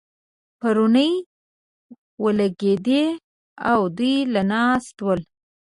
پېرونی ولګېدې او دوی لا ناست ول.